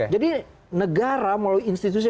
jadi negara melalui institusi